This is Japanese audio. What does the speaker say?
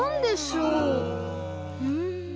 うん。